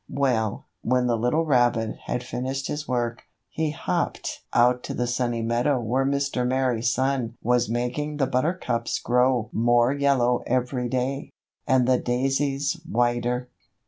Well, when the little rabbit had finished his work, he hopped out to the Sunny Meadow where Mr. Merry Sun was making the buttercups grow more yellow every day, and the daisies whiter.